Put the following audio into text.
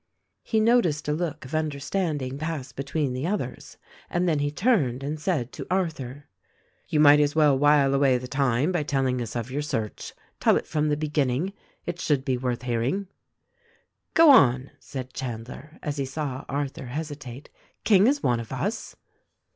He noticed a look of understanding pass between the others ; and then he turned and said to Arthur : "You might as well while away the time by telling us of your search. Tell it from the beginning. It should be worth hearing." THE RECORDING ANGEL 213 "Go on," said Chandler as he saw Arthur hesitate, "King is one of us."